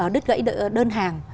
đứt gãy đơn hàng